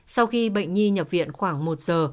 sau khi bệnh nhi nhập viện khoảng một giờ